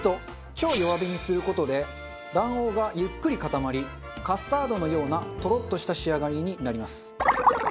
超弱火にする事で卵黄がゆっくり固まりカスタードのようなとろっとした仕上がりになります。